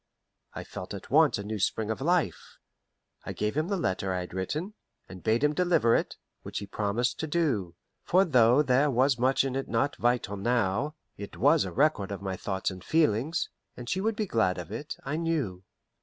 I felt at once a new spring of life. I gave him the letter I had written, and bade him deliver it, which he promised to do; for though there was much in it not vital now, it was a record of my thoughts and feelings, and she would be glad of it, I knew.